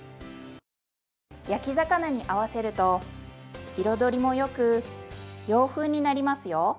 焼き魚に合わせると彩りもよく洋風になりますよ。